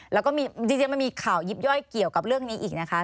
แล้วก็มีจริงมันมีข่าวยิบย่อยเกี่ยวกับเรื่องนี้อีกนะคะ